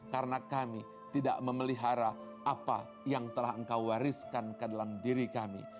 karena kami tidak memelihara apa yang telah engkau wariskan ke dalam diri kami